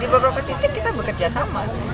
di beberapa titik kita bekerja sama